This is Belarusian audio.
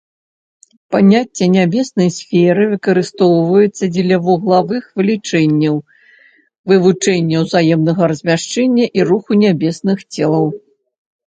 Паняцце нябеснай сферы выкарыстоўваецца дзеля вуглавых вылічэнняў, вывучэння ўзаемнага размяшчэння і руху нябесных целаў.